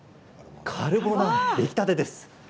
カルボナーラ出来たてです。